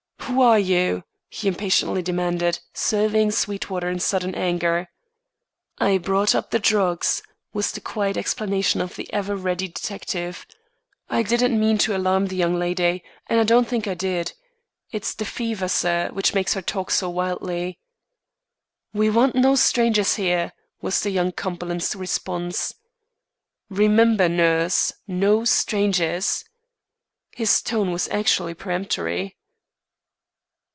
"Who are you?" he impatiently demanded, surveying Sweetwater in sudden anger. "I brought up the drugs," was the quiet explanation of the ever ready detective. "I didn't mean to alarm the young lady, and I don't think I did. It's the fever, sir, which makes her talk so wildly." "We want no strangers here," was young Cumberland's response. "Remember, nurse, no strangers." His tone was actually peremptory.